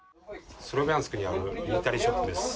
スロビャンスクにあるミリタリーショップです。